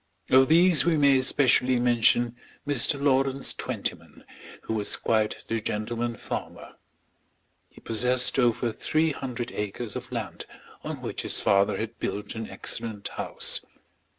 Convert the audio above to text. Of these we may specially mention Mr. Lawrence Twentyman, who was quite the gentleman farmer. He possessed over three hundred acres of land, on which his father had built an excellent house.